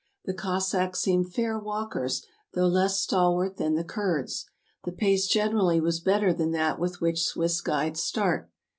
The Cossacks seemed fair walkers, though less stalwart than the Kurds; the pace gen erally was better than that with which Swiss guides start.